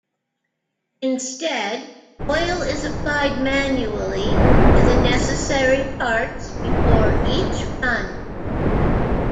Instead, oil is applied manually to the necessary parts before each run.